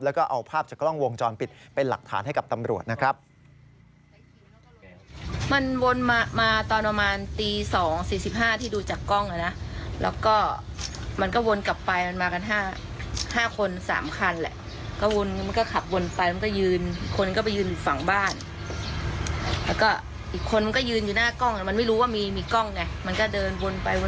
แล้วก็เอาภาพจากกล้องวงจรปิดเป็นหลักฐานให้กับตำรวจนะครับ